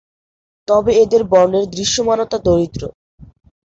তবে এদের বর্ণের দৃশ্যমানতা দরিদ্র।